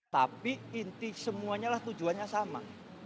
tapi inti semuanya lah tujuannya sama